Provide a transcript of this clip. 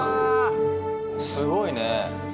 すごいね。